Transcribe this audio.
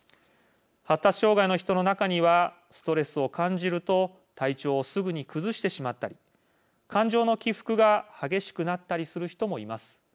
発達障害の人の中にはストレスを感じると体調をすぐに崩してしまったり感情の起伏が激しくなったりする人もいます。